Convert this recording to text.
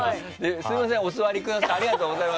すみません、お座りください。